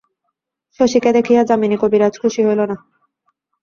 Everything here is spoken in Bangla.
শশীকে দেখিয়া যামিনী কবিরাজ খুশি হইল না।